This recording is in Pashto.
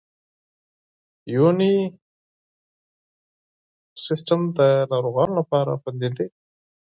یوني سیسټم د ناروغانو لپاره خوندي دی.